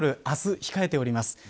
明日、控えております。